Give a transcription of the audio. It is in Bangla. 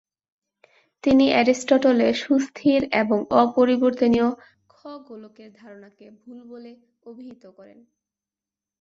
তিনি এরিস্টটলের সুস্থির এবং অপরিবর্তনীয় খ-গোলকের ধারণাকে ভুল বলে অভিহিত করেন।